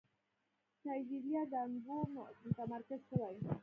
نایجيريا کانګو متمرکز شوی.